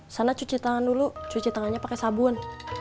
sana cuci tangan dulu cuci tangannya pakai sabun